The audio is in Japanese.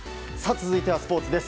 続いてはスポーツです。